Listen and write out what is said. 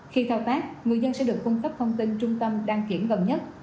khi thao tác người dân sẽ được cung cấp thông tin trung tâm đăng kiểm gần nhất